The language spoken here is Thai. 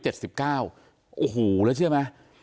โอ้โหแล้วเชื่อไหม